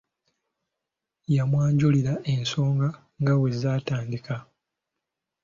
Yamwanjulira ensonga nga bwe zaatandika.